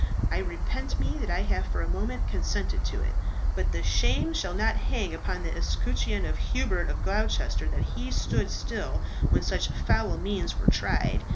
I repent me that I have for a moment consented to it. But the shame shall not hang upon the escutcheon of Hubert of Gloucester that he stood still when such foul means were tried.